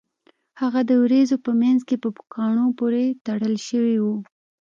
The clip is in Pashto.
هغه د ورېځو په مینځ کې په پوکاڼو پورې تړل شوی و